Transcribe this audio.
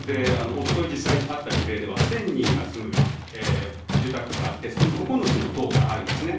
おととい、実際にあった事例では１０００人が住む住宅があってそこに９つの棟があるんですね。